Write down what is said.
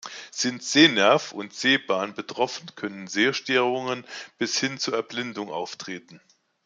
Sind Sehnerv oder Sehbahn betroffen, können Sehstörungen bis hin zur Erblindung auftreten.